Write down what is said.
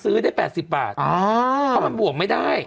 ซื้อได้๘๐บาทเขาไม่บ่วงไม่ได้